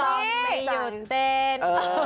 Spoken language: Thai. ไม่หยุดเต้น